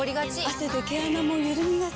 汗で毛穴もゆるみがち。